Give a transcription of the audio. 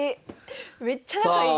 めっちゃ仲いい。